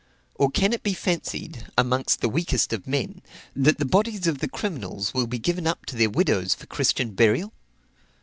Or can it be fancied, amongst the weakest of men, that the bodies of the criminals will be given up to their widows for Christian burial?